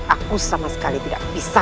aku sama sekali tidak bisa